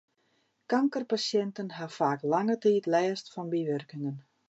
Kankerpasjinten ha faak lange tiid lêst fan bywurkingen.